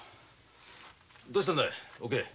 どうしたんだいおけい？